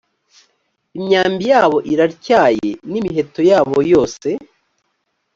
imyambi yabo iratyaye n ‘imiheto yabo yose.